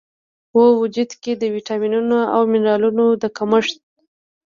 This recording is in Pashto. و وجود کې د ویټامینونو او منرالونو د کمښت